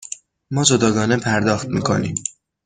ما جداگانه پرداخت می کنیم.